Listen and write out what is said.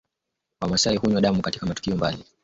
Wamaasai hunywa damu katika matukio mbalimbali